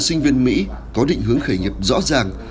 sinh viên mỹ có định hướng khởi nghiệp rõ ràng